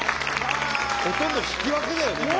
ほとんど引き分けだよね